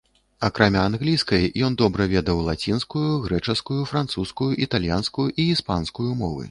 Акрамя англійскай, ён добра ведаў лацінскую, грэчаскую, французскую, італьянскую і іспанскую мовы.